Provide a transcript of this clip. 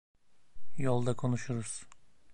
Yolda konuşuruz.